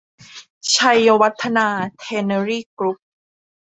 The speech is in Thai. ชัยวัฒนา แทนเนอรี่ กรุ๊ป